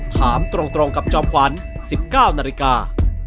ถามตรงกับจอมขวัญ๑๙นาฬิกา